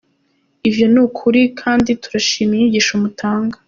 ivyo nukuri kandi turashim inyigisho mutanga.